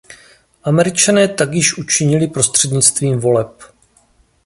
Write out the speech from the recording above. Američané tak již učinili prostřednictvím voleb.